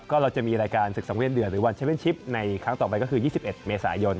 ก็เราจะมีรายการศึกสังเวียนเดือดหรือวันเชเว่นชิปในครั้งต่อไปก็คือ๒๑เมษายน